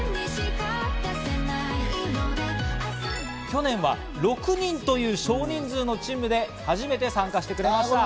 去年は６人という少人数のチームで初めて参加してくれました。